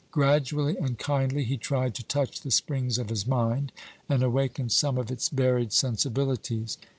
Gradually and kindly he tried to touch the springs of his mind, and awaken some of its buried sensibilities.